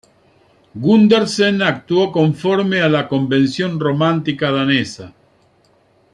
Gundersen actuó conforme a la convención romántica danesa.